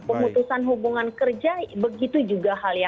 pemutusan hubungan kerja begitu juga hal ya